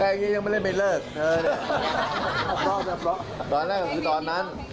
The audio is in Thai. แน่น่ะแค่นี้ยังไม่ได้ไปเลิกตอนนั้นคือตอนนั้น